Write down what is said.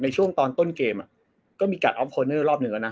ในช่วงตอนต้นเกมอ่ะก็มีการ์ดออฟคอร์เนอร์รอบหนึ่งละนะ